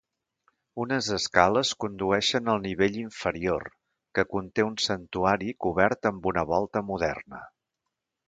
Unes escales condueixen al nivell inferior que conté un santuari cobert amb una volta moderna.